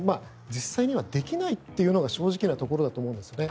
実際にはできないというのが正直なところだと思うんですね。